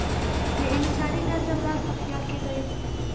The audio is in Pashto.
د انساني نظم راز په خیال کې دی.